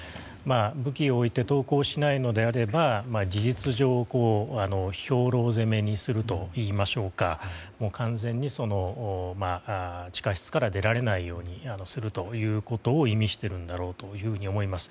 武器を置いて投降しないのであれば事実上、兵糧攻めにするといいましょうか完全に、地下室から出られないようにするということを意味しているんだろうと思います。